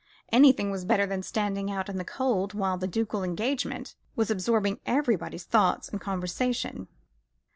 Anything was better than standing out in the cold while the ducal engagement was absorbing everybody's thoughts and conversation.